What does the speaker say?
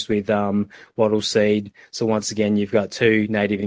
krimnya dipakai dengan buah buahan